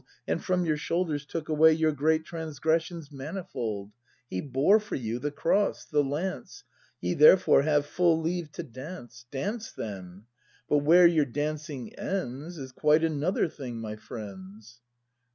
And from your shoulders took away Your great transgressions manifold. He bore for you the cross, the lance — Ye therefore have full leave to dance; Dance then, — but where your dancing ends Is quite another thing, my friends!